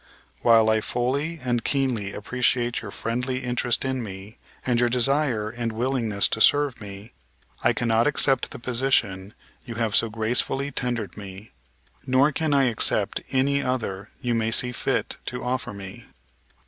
While I fully and keenly appreciate your friendly interest in me and your desire and willingness to serve me, I cannot accept the position you have so gracefully tendered me, nor can I accept any other you may see fit to offer me.